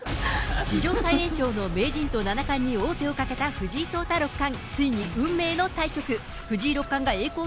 史上最年少の名人と七冠に王手をかけた藤井聡太六冠。